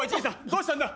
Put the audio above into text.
どうしたんだ？